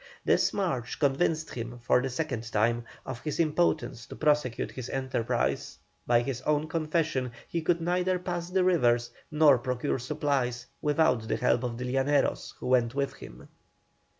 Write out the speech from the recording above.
This march convinced him, for the second time, of his impotence to prosecute his enterprise; by his own confession, he could neither pass the rivers nor procure supplies without the help of the Llaneros who went with him.